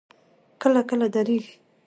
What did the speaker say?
کله کله درېږي.